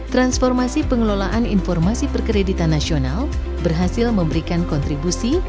transformasi pengelolaan informasi perkreditan nasional berhasil memberikan kontribusi